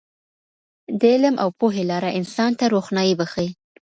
د علم او پوهې لاره انسان ته روښنايي بښي.